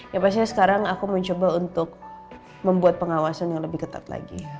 ya pastinya sekarang aku mencoba untuk membuat pengawasan yang lebih ketat lagi